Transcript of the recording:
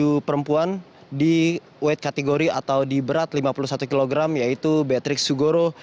tujuh perempuan di weight kategori atau di berat lima puluh satu kg yaitu betrik sugoro